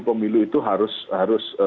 pemilu itu harus